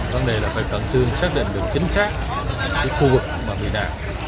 vấn đề là phải khẩn trương xác định được chính xác cái khu vực mà bị đạt